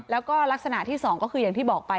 แล้วก็ลักษณะที่๒ก็คืออย่างที่บอกไป